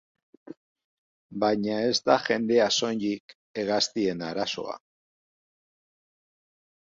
Baina ez da jendea soilik hegaztien arazoa.